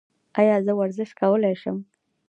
ایا زه ورزش کولی شم؟